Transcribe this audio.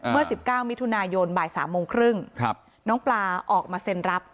เมื่อสิบเก้ามิถุนายนบ่ายสามโมงครึ่งครับน้องปลาออกมาเซ็นรับ